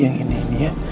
yang ini ya